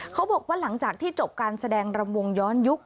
เขาบอกว่าหลังจากที่จบการแสดงรำวงย้อนยุค